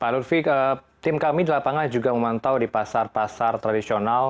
pak lutfi tim kami di lapangan juga memantau di pasar pasar tradisional